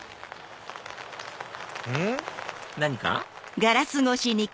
うん？何か？